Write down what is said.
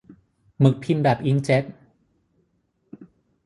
หมึกพิมพ์แบบอิงก์เจ็ต